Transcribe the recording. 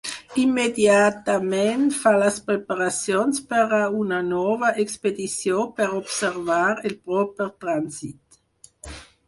Immediatament fa les preparacions per a una nova expedició per observar el proper trànsit.